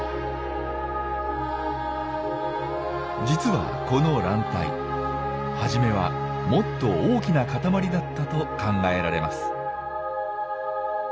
実はこの卵帯初めはもっと大きな塊だったと考えられます。